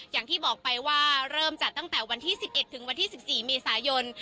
อย่างที่บอกแล้วเริ่มจากวันที่๑๑๑๔เมษายน